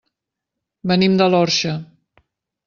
Venim de l'Orxa.